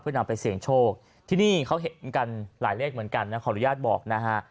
นำไปเสี่ยงโชคที่นี่เขาเห็นกันหลายเลขเหมือนกันนะขออนุญาตบอกนะฮะ